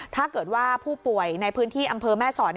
ถ้าเกิดว่าผู้ป่วยในพื้นที่อำเภอแม่สอด